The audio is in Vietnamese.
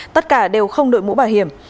tất cả đều không đội mũ bảo hiểm